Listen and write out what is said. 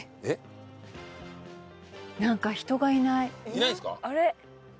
いないですか？